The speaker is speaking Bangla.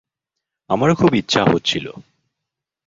আমারও খুব ইচ্ছা হচ্ছিলো।